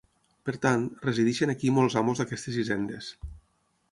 Per tant, resideixen aquí molts amos d'aquestes hisendes.